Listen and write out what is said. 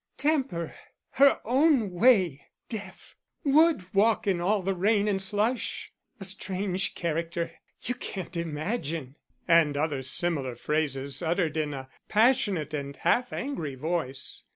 "Temper her own way deaf would walk in all the rain and slush. A strange character you can't imagine," and other similar phrases, uttered in a passionate and half angry voice.